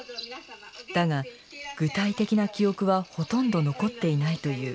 だが具体的な記憶はほとんど残っていないという。